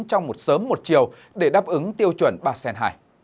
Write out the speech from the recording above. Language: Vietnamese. trong một sớm một chiều để đáp ứng tiêu chuẩn ba sen hai